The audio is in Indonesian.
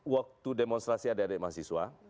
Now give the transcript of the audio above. waktu demonstrasi adik adik mahasiswa